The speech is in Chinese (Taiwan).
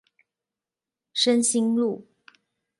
深興路